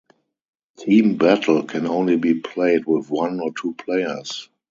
"Team Battle" can only be played with one or two players.